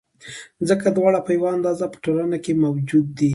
ځکه دواړه په یوه اندازه په ټولنه کې موجود دي.